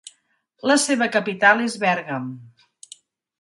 La seva capital és Bèrgam.